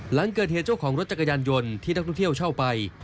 หลังเกิดเหตุเจ้าของรถจักรยานยนต์ที่นักท่องเที่ยวเช่าไป